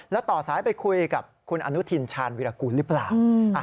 แล้วต่อสายไปคุยกับคุณอนุทินชาญวิรากูลหรือเปล่า